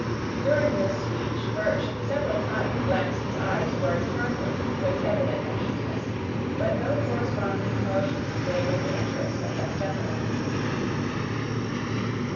During this speech, Birch several times glanced his eye towards Harper, with evident uneasiness, but no corresponding emotion betrayed any interest of that gentleman in the scene.